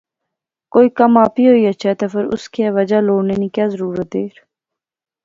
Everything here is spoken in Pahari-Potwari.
کوئی کم آپی ہوئی اچھے تہ فیر اس کیا وجہ لوڑنے نی کہہ ضرورت دیر